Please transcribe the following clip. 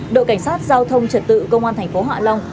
đội cảnh sát giao thông trật tự công an tp hạ long